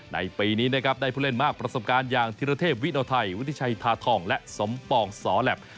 ในปีนี้นะครับได้ผู้เล่นมากประสบการณ์อย่างธิรเทพวิโนไทยวุฒิชัยทาทองและสมปองสอแหลป